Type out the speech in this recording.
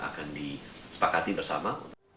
akan disepakati bersama